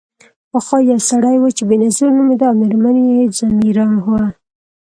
پخوا یو سړی و چې بینظیر نومیده او میرمن یې ځمیرا وه.